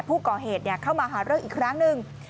ผู้ก่อเหตุเข้ามาหารเรื่องอีกครั้งหนึ่ง